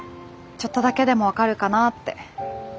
ちょっとだけでも分かるかなって。